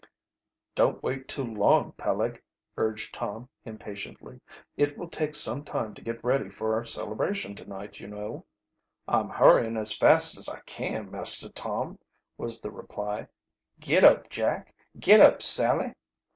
"Don't wait too long, Peleg," urged Tom impatiently. "It will take some time to get ready for our celebration to night, you know." "I'm hurrying as fast as I can, Master Tom," was the reply. "Git up, Jack! git up, Sally!"